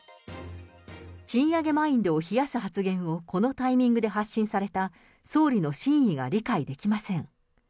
賃上げマインドを冷やす発言をこのタイミングで発信された総理の真意が理解できません。